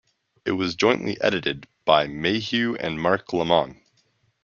It was jointly edited by Mayhew and Mark Lemon.